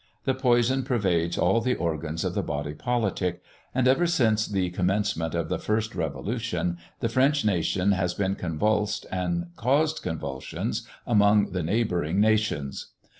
The poison pervades all the organs of the body politic; and ever since the commencement of the first revolution, the French nation has been convulsed, and caused convulsions among the neighbouring nations.